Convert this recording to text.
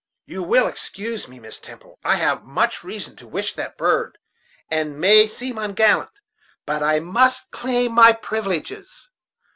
You will excuse me, Miss Temple; I have much reason to wish that bird, and may seem ungallant, but I must claim my privileges."